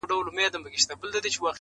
چي د پېزوان او د نتکۍ خبره ورانه سوله ،